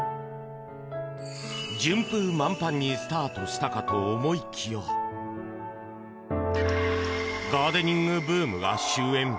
順風満帆にスタートしたかと思いきやガーデンニングブームが終えん。